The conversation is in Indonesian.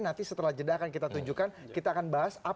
nanti setelah jeda akan kita tunjukkan kita akan bahas